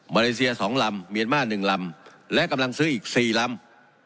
มาเลเซียสองลำเมียนม่าหนึ่งลำและกำลังซื้ออีกสี่ลำ